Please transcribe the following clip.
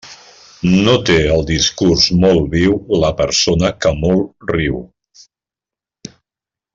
No té el discurs molt viu la persona que molt riu.